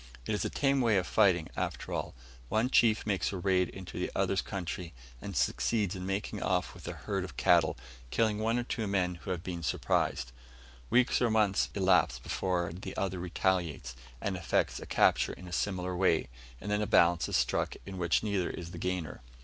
It is a tame way of fighting, after all. One chief makes a raid into the other's country, and succeeds in making off with a herd of cattle, killing one or two men who have been surprised. Weeks, or perhaps months elapse before the other retaliates, and effects a capture in a similar way, and then a balance is struck in which neither is the gainer.